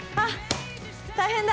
大変だ。